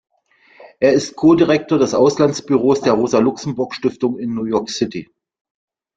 Er ist Co-Direktor des Auslandsbüros der Rosa-Luxemburg-Stiftung in New York City.